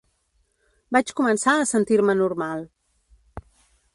Vaig començar a sentir-me normal